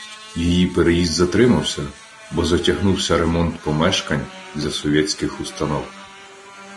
Її переїзд затримався, бо затягнувся ремонт помешкань для совєтських установ.